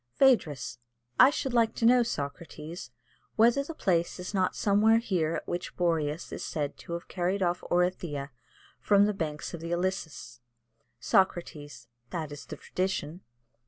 "Phædrus. I should like to know, Socrates, whether the place is not somewhere here at which Boreas is said to have carried off Orithyia from the banks of the Ilissus? "Socrates. That is the tradition.